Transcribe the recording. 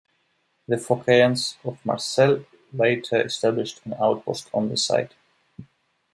The Phocaeans of Marseille later established an outpost on the site.